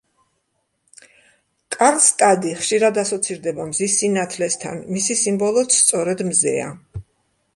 კარლსტადი ხშირად ასოცირდება მზის სინათლესთან, მისი სიმბოლოც სწორედ მზეა.